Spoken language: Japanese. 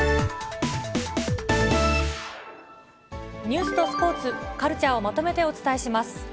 ニュースとスポーツ、カルチャーをまとめてお伝えします。